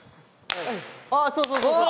あっそうそうそうそう。